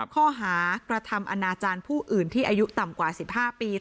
ข้อหากระทำอนาจารย์ผู้อื่นที่อายุต่ำกว่า๑๕ปี